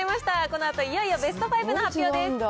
このあといよいよベスト５の発表です。